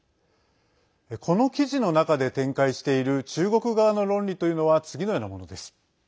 この記事の中で展開している中国側の論理というのは次のようなものです。